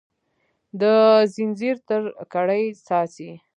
د ځنځیر تر کړۍ څاڅي